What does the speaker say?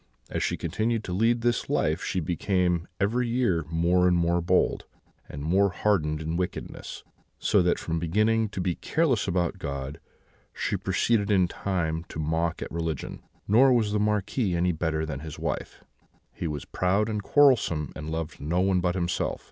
As she continued to lead this life she became every year more and more bold, and more hardened in wickedness; so that, from beginning to be careless about God, she proceeded in time to mock at religion. Nor was the Marquis any better than his wife; he was proud and quarrelsome, and loved no one but himself.